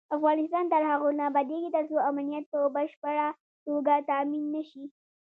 افغانستان تر هغو نه ابادیږي، ترڅو امنیت په بشپړه توګه تامین نشي.